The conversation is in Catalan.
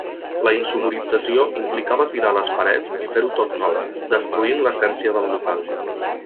La insonorització implicava tirar les parets i fer-ho tot nou, destruint l'essència del local.